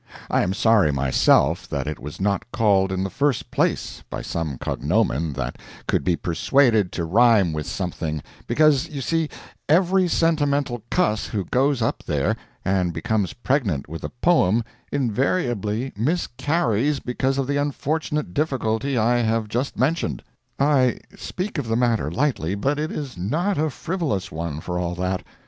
I am sorry, myself, that it was not called in the first place by some cognomen that could be persuaded to rhyme with something, because, you see, every sentimental cuss who goes up there and becomes pregnant with a poem invariably miscarries because of the unfortunate difficulty I have just mentioned. I speak of the matter lightly, but it is not a frivolous one, for all that.